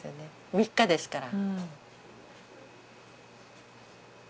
３日ですから。